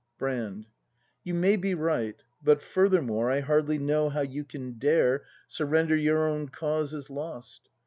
Brand. You may be right. But, furthermore, I hardly know how you can dare Surrender your own cause as lost.